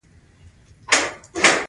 د بوټانو ارزښت په دې کې دی چې په پښو شي